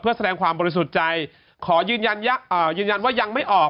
เพื่อแสดงความบริสุทธิ์ใจขอยืนยันยืนยันว่ายังไม่ออก